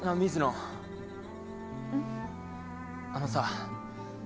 あのさ